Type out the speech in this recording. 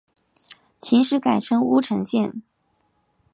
秦时改称乌程县。